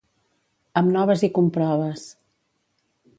Amb noves i comproves.